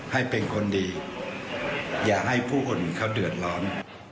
ให้เป็นคนดีอย่าให้ผู้คนเขาเดือดร้อน